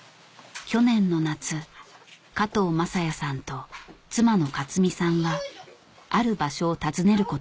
去年の夏加藤正哉さんと妻の雅津美さんはある場所を訪ねることにしました